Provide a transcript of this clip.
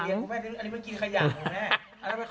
อันนี้มันกินขยะครับคุณแม่